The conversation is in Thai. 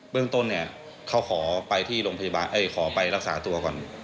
เริ่มต้นเขาขอไปรักษาตัวก่อน